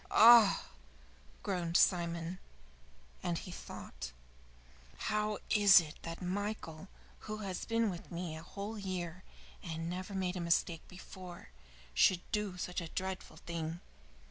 "Ah," groaned Simon, and he thought, "How is it that Michael, who has been with me a whole year and never made a mistake before, should do such a dreadful thing?